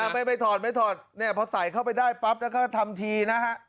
ไม่ถอดไม่ถอดเนี่ยพอใส่เข้าไปได้ปั๊บแล้วก็ทำทีนะฮะ